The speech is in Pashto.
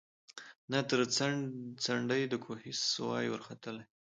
نه تر څنډی د کوهي سوای ورختلای